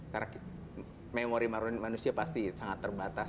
karena memori manusia pasti sangat terbatas